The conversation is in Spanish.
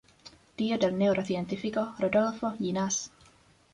Tío del neurocientífico Rodolfo Llinás.